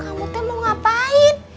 kamu tuh mau ngapain